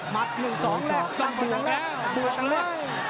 มัด๑๒ตั้งปล่อยตั้งแรก